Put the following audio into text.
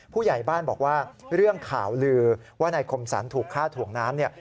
ผู้ใหญ่บ้านบอกว่าเรื่องข่าวลือว่านายคมสรรถูกฆ่าถ่วงน้ำเนี่ย